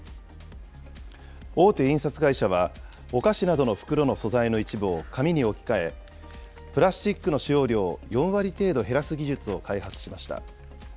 大手印刷会社は、お菓子などの袋の素材の一部を紙に置き換え、プラスチックの使用量を４割程度減らす技術を開発しました。